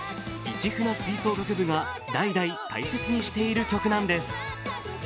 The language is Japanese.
市船吹奏楽部が代々大切にしている曲なんです。